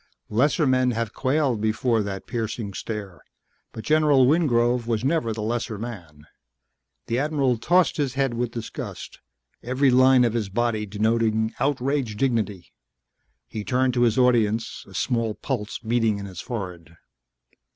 Lesser men have quailed before that piercing stare, but General Wingrove was never the lesser man. The admiral tossed his head with disgust, every line of his body denoting outraged dignity. He turned to his audience, a small pulse beating in his forehead.